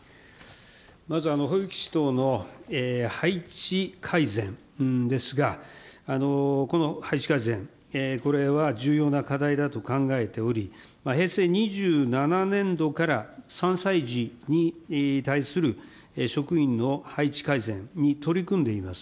まず保育士等の配置改善ですが、この配置改善、これは重要な課題だと考えており、平成２７年度から３歳児に対する職員の配置改善に取り組んでいます。